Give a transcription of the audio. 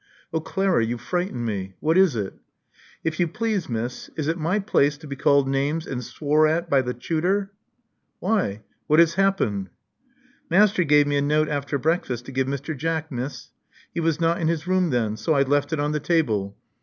Oh Clara, you frightened me. What is^it?" If you please, Miss, is it my place to be called names and swore at by the chootor?" "Why? What has happened?" Master gave me a note after breakfast to give Mr. J ack. Miss. He was not in his room then ; so I left it on the table.